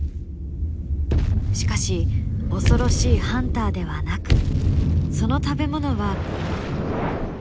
しかし恐ろしいハンターではなくその食べ物は。